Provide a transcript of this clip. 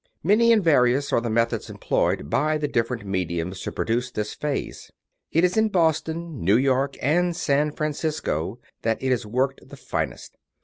... Many and various are the methods employed by the differ ent " mediums *' in producing this phase. It is in Boston, New York, and San Francisco that it is worked the finest.